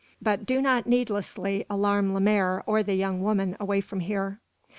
But do not needlessly alarm Lemaire or the young woman away from here."